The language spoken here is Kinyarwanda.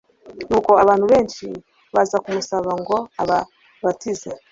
Nuko abantu benshi baza kumusaba ngo ababatize,